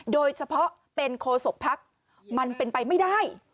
โดยเฉพาะเป็นโคศกภักดิ์มันเป็นไปไม่ได้